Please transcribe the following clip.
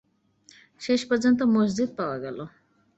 শেষ পর্যন্ত মসজিদ পাওয়া গেল।